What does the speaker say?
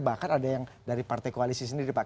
bahkan ada yang dari partai koalisi sendiri pak